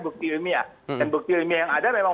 bukti ilmiah dan bukti ilmiah yang ada memang